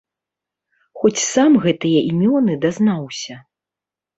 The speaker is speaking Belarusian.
Хоць сам гэтыя імёны дазнаўся.